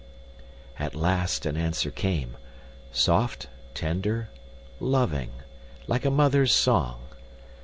At last an answer came soft, tender, loving, like a mother's song.